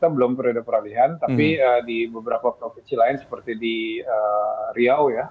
belum periode peralihan tapi di beberapa provinsi lain seperti di riau ya